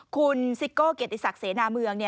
คุณซิโก้เกียรติศักดิ์เสนาเมือง